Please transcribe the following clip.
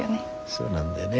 そうなんだよね